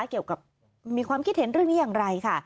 เกี่ยวกับมีความคิดเห็นเรื่องนี้อย่างไรค่ะ